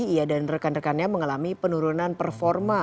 ia dan rekan rekannya mengalami penurunan performa